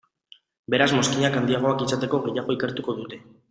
Beraz mozkinak handiagoak izateko, gehiago ikertuko dute.